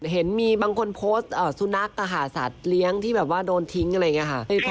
เห็นมีบางคนโพสต์สุนัขสัตว์เลี้ยงที่แบบว่าโดนทิ้งอะไรอย่างนี้ค่ะ